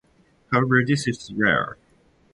However, this is rare.